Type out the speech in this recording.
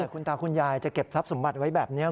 คุณตาคุณยายจะเก็บทรัพย์สมบัติไว้แบบนี้